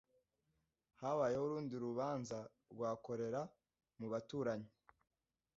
Habayeho urundi rubanza rwa kolera mu baturanyi.